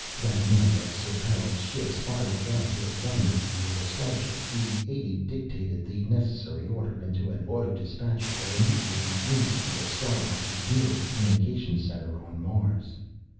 That night, as Sir Harold's ship spiraled out to a rendezvous with a starship, the aide dictated the necessary order into an autodispatcher that immediately beamed it to the Star Watch's nearest communications center, on Mars.